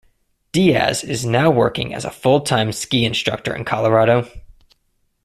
Diaz is now working as a full time ski instructor in Colorado.